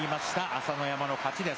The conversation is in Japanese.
朝乃山の勝ちです。